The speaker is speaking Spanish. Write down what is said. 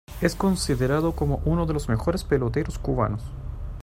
Es considerado como uno de los mejores peloteros cubanos.